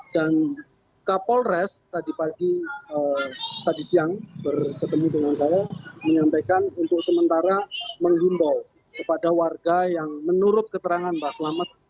dan kapol res tadi pagi tadi siang berketemu dengan saya menyampaikan untuk sementara menghimbau kepada warga yang menurut keterangan mbah selamet